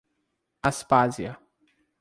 Aspásia